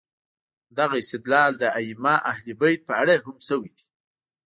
همدغه استدلال د ائمه اهل بیت په اړه هم شوی دی.